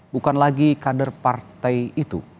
bukan lagi kader partai itu